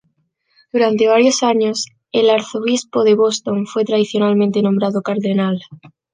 Durante varios años, el arzobispo de Boston fue tradicionalmente nombrado cardenal.